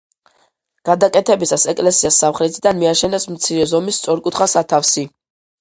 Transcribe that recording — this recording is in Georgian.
გადაკეთებისას ეკლესიას სამხრეთიდან მიაშენეს მცირე ზომის სწორკუთხა სათავსი.